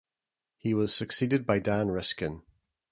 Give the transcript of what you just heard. He was succeeded by Dan Riskin.